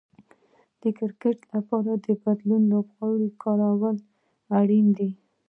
د کرکټ لپاره د بديلو لوبغاړو کارول اړين دي.